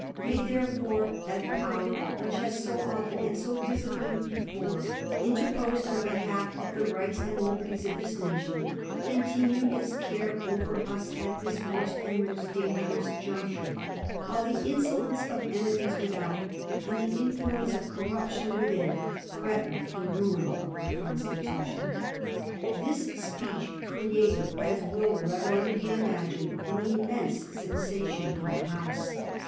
May, therefore, that Power which has so often and so visibly before interposed on behalf of the rights and liberties of this nation continue its care over us at this worst and most dangerous juncture ; while the insolence of enemies without, and the influence of corruption within, threaten the ruin of her Constitution." This speech created, as will readily be imagined, an im mense sensation in the House.